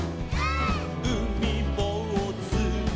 「うみぼうず」「」